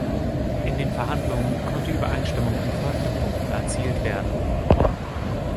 In den Verhandlungen konnte Übereinstimmung in folgenden Punkten erzielt werden.